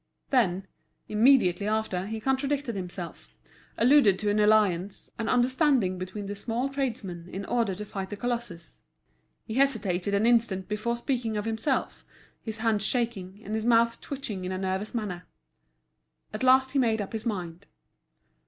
Then, immediately after, he contradicted himself, alluded to an alliance, an understanding between the small tradesmen in order to fight the colossus. He hesitated an instant before speaking of himself, his hands shaking, and his mouth twitching in a nervous manner. At last he made up his mind.